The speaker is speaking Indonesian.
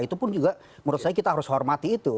itu pun juga menurut saya kita harus hormati itu